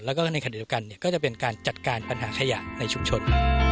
แล้วก็ในขณะเดียวกันก็จะเป็นการจัดการปัญหาขยะในชุมชน